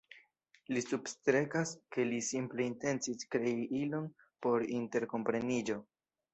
Li substrekas, ke li simple intencis krei ilon por interkompreniĝo.